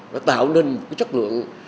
nó tạo nên chất lượng